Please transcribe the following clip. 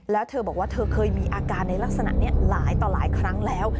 แล้วเธอบอกว่าเธอเคยมีอาการในลักษณะนี้หลายต่อหลายครั้งแล้ว